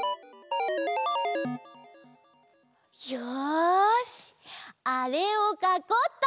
よしあれをかこうっと！